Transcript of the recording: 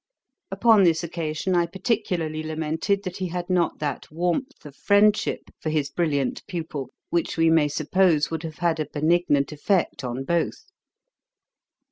Upon this occasion I particularly lamented that he had not that warmth of friendship for his brilliant pupil, which we may suppose would have had a benignant effect on both.